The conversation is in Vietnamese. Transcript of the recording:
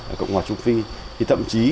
ở cộng hòa trung phi thì thậm chí